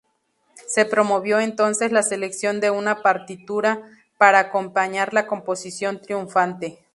Se promovió entonces la selección de una partitura para acompañar la composición triunfante.